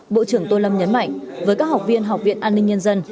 bộ trưởng tô lâm nhấn mạnh với các học viên học viện an ninh nhân dân